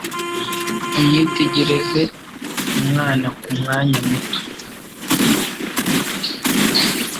Unyitegereze umwana kumwanya muto.